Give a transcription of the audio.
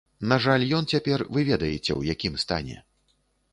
На жаль ён цяпер, вы ведаеце, у якім стане.